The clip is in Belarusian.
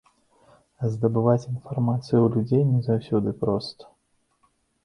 А здабываць інфармацыю ў людзей не заўсёды проста.